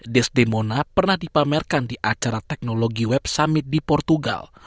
des demona pernah dipamerkan di acara teknologi web summit di portugal